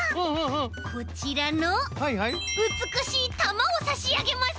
こちらのうつくしいたまをさしあげます！